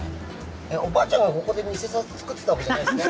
おばあちゃんが、ここで偽札作ってたわけじゃないですよね？